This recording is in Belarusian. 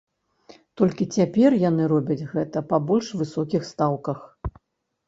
Толькі цяпер яны робяць гэта па больш высокіх стаўках.